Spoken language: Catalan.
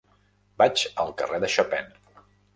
Vaig al carrer de Chopin.